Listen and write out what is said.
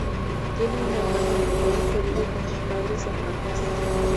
Tiene un hermano mayor que vive con sus padres en Marcas.